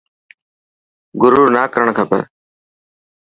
گرور نا ڪرڻ کپي.